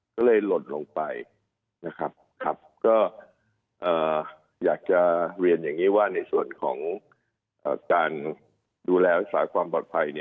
ก็เลยหล่นลงไปนะครับก็อยากจะเรียนอย่างนี้ว่าในส่วนของการดูแลรักษาความปลอดภัย